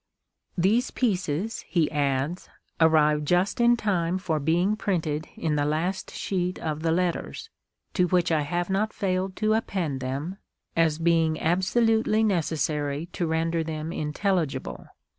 " These pieces," he adds, "arrived just in time for being printed in the last sheet of the Letters, to which I have not failed to append them, as being absolutely necessary to render them intelligible.